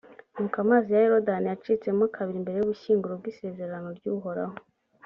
ni uko amazi ya yorudani yacitsemo kabiri imbere y’ubushyinguro bw’isezerano ry’uhoraho,